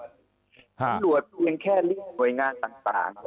ตำรวจเพียงแค่เรียกหน่วยงานต่าง